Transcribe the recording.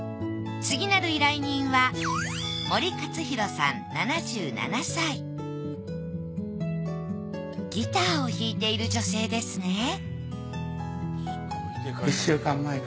次なる依頼人はギターを弾いている女性ですね